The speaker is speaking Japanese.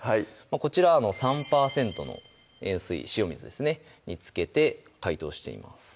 こちら３％の塩水塩水ですねにつけて解凍しています